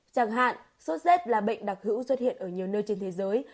chẳng hạn sốt z là bệnh đặc hữu xuất hiện ở nhiều nơi trên thế giới